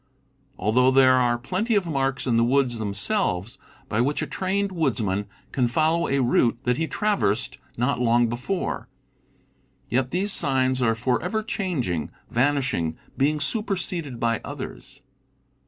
Although there are plenty of marks in the woods themselves by which a trained woodsman can follow a route that he traversed not long before, yet these signs are forever changing, vanishing, being superseded by others.